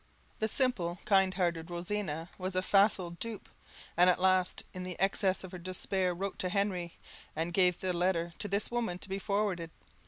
The simple, kind hearted Rosina was a facile dupe, and at last, in the excess of her despair, wrote to Henry, and gave the letter to this woman to be forwarded.